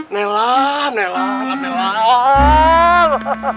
nelam nelam nelam